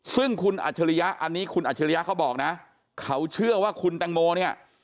ซึ่งคุณอัจฉริยะอันนี้คุณอัจฉริยะเขาบอกนะเขาเชื่อว่าคุณแตงโมเนี่ย